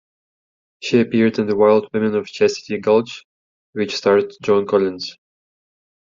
She appeared in "The Wild Women of Chastity Gulch", which starred Joan Collins.